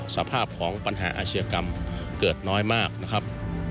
สภาพของปัญหาอาชียกรรมเกิดน้อยมากนะครับ